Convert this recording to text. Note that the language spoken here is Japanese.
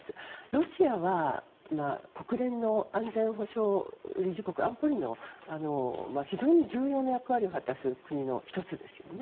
ロシアは、国連の安全保障理事国安保理の非常に重要な役割を果たす国の１つですよね